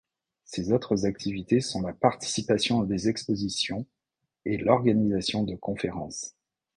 Ses autres activités sont la participation à des expositions et l’organisation de conférences.